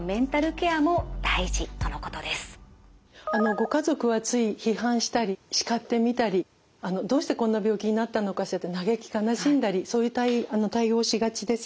ご家族はつい批判したり叱ってみたりどうしてこんな病気になったのかしらと嘆き悲しんだりそういう対応をしがちです。